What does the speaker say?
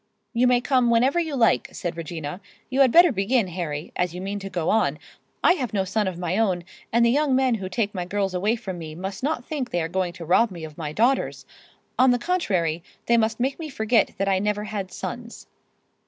"You may come whenever you like," said Regina. "You had better begin, Harry, as you mean to go on. I have no son of my own, and the young men who take my girls away from me must not think they are going to rob me of my daughters—on the contrary, they must make me forget that I never had sons."